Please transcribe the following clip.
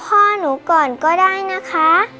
พ่อหนูก่อนก็ได้นะคะ